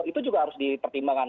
itu juga harus dipertimbangkan